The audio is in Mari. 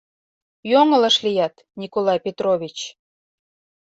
— Йоҥылыш лият, Николай Петрович.